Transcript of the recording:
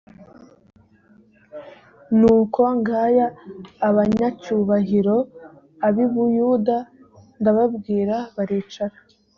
nuko ngaya abanyacyubahiro a b i buyuda ndababwira baricara